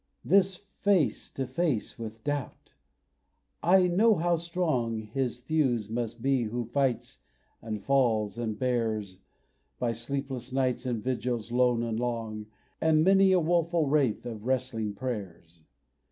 This face to face with doubt! I know how strong His thews must be who fights and falls and bears, By sleepless nights and vigils lone and long, And many a woeful wraith of wrestling prayers.